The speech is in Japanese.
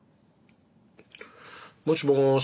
もしもし。